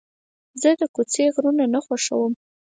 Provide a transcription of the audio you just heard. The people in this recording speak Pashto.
زه د کوڅې غږونه نه خوښوم.